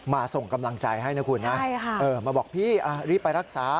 ส่งกำลังใจให้นะคุณนะมาบอกพี่รีบไปรักษา